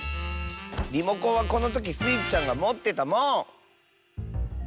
リモコンはこのときスイちゃんがもってたもん！